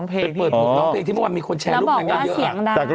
เปิดหมวกร้องเพลง